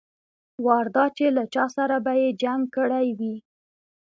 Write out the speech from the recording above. وار دا چې له چا سره به يې جنګ کړى وي.